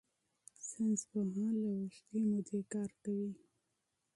ساینسپوهان له اوږدې مودې کار کوي.